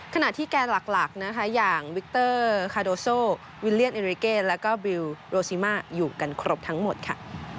ขณะที่แกนหลักนะคะอย่างวิกเตอร์คาโดโซวิลเลียนเอริเกแล้วก็บิลโรซิมาอยู่กันครบทั้งหมดค่ะ